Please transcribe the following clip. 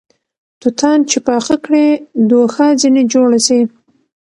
توتان چې پاخه کړې دوښا ځنې جوړه سې